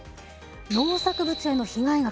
農作物への被害額